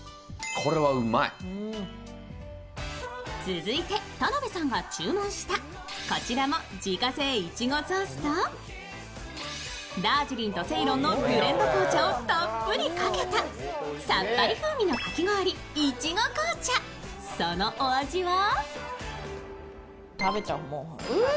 続いて田辺さんが注文したこちらも自家製イチゴソースとダージリンとセイロンのブレンド紅茶をたっぷりかけたさっぱり風味のかき氷いちご紅茶、そのお味は？